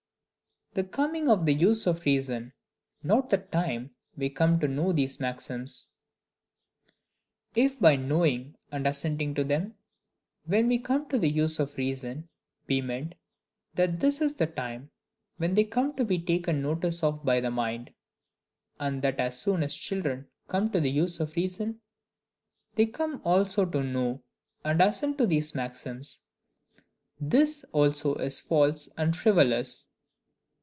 The coming of the Use of Reason not the Time we come to know these Maxims. If by knowing and assenting to them "when we come to the use of reason," be meant, that this is the time when they come to be taken notice of by the mind; and that as soon as children come to the use of reason, they come also to know and assent to these maxims; this also is false and frivolous.